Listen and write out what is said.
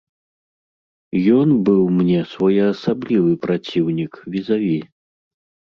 Ён быў мне своеасаблівы праціўнік, візаві.